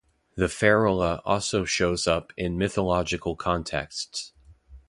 The ferula also shows up in mythological contexts.